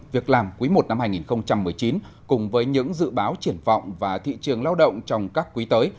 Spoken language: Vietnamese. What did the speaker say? việc làm quý i năm hai nghìn một mươi chín cùng với những dự báo triển vọng và thị trường lao động trong các quý tới